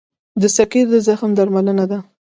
د سکېر د زخم درملنه ده.